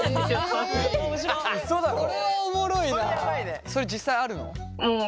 それは実際あるの？